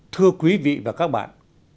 thưa quý vị và các bạn